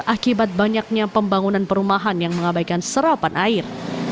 akibat banyaknya pembangunan perumahan yang mengabaikan serapan air